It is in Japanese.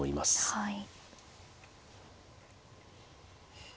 はい。